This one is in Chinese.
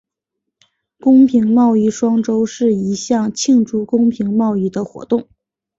公平贸易双周是一项庆祝公平贸易的活动。